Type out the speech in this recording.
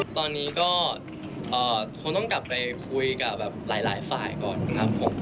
ตอนนี้ก็คงต้องกลับไปคุยกับหลายฝ่ายก่อนครับผม